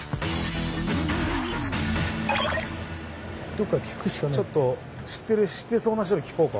どこかで聞くしかない。